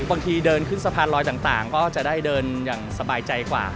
บางทีเดินขึ้นสะพานลอยต่างก็จะได้เดินอย่างสบายใจกว่า